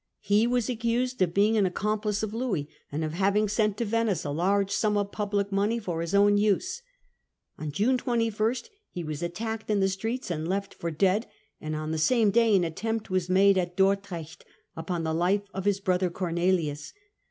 He was accused of being an accom plice of Louis, and of having sent to Venice a large sum of public money for his own use. On June 21 he was attacked in the streets and left for dead ; and on the same day an attempt was made at Dordrecht upon the life of his brother Cornelius.